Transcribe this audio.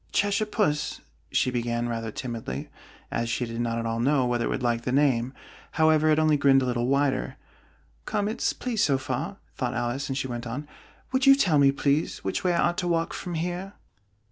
"Cheshire Puss," she began, rather timidly, as she did not at all know whether it would like the name: however, it only grinned a little wider. "Come, it's pleased so far," thought Alice, and she went on: "Would you tell me, please, which way I ought to walk from here?"